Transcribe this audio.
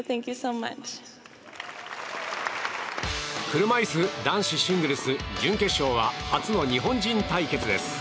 車いす男子シングルス準決勝は初の日本人対決です。